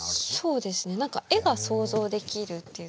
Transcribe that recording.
そうですね何か絵が想像できるっていうか。